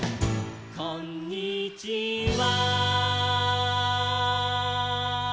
「こんにちは」「」「」